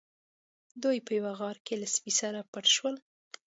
دوی په یوه غار کې له سپي سره پټ شول.